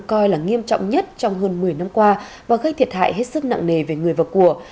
coi là nghiêm trọng nhất trong hơn một mươi năm qua và gây thiệt hại hết sức nặng nề về người và của